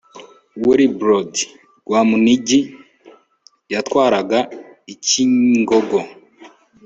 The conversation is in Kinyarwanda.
Wilibrordi Rwamuningi yatwaraga Icyingogo